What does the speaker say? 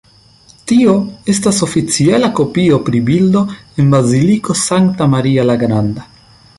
Tio estas oficiala kopio pri bildo en Baziliko Sankta Maria la Granda.